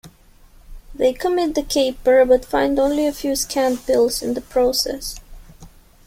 They commit the caper but find only a few scant bills in the process.